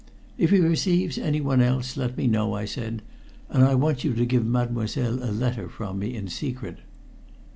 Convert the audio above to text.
"If he receives anyone else, let me know," I said. "And I want you to give Mademoiselle a letter from me in secret."